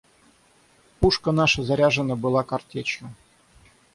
Пушка наша заряжена была картечью.